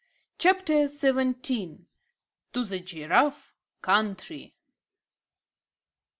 CHAPTER SEVENTEEN. TO THE GIRAFFE COUNTRY.